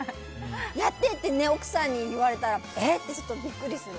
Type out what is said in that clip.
やってって奥さんに言われたらえ？ってちょっとびっくりする。